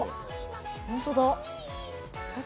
本当だ。